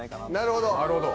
なるほど。